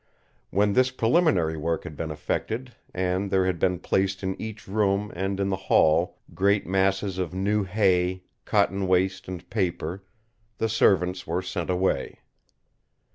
When this preliminary work had been effected, and there had been placed in each room and in the hall great masses of new hay, cotton waste and paper, the servants were sent away.